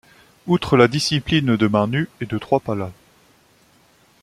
Outre la discipline de main nue et trois de palas.